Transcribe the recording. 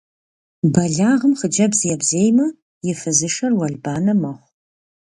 Бэлагъым хъыджэбз ебзеймэ, и фызышэр уэлбанэ мэхъу.